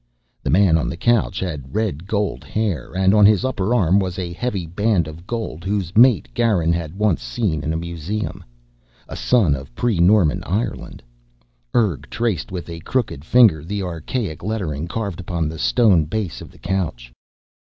The man on the couch had red gold hair and on his upper arm was a heavy band of gold whose mate Garin had once seen in a museum. A son of pre Norman Ireland. Urg traced with a crooked finger the archaic lettering carved upon the stone base of the couch.